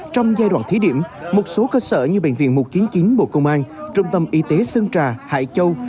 trong giai đoạn thí điểm một số cơ sở như bệnh viện một trăm chín mươi chín bộ công an trung tâm y tế sơn trà hải châu